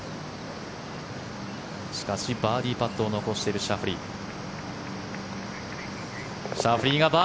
しかし、バーディーパットを残しているシャフリー。